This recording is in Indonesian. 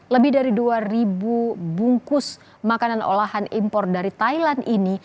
lebih dari dua ribu bungkus makanan olahan impor dari thailand ini